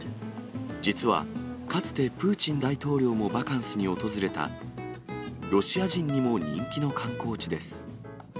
実はかつてプーチン大統領もバカンスに訪れた、ロシア人にも人気の観光地です。